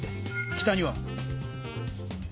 北には？